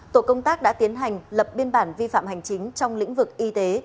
tổ công tác đã tiến hành lập biên bản vi phạm hành chính trong lĩnh vực y tế